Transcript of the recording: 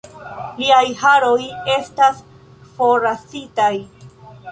Liaj haroj estas forrazitaj.